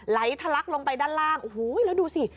ไหลทะลักลงไปด้านล่างโอ้โหแล้วดูสิ